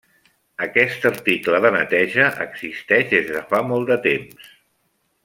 Aquest article de neteja existeix des de fa molt de temps.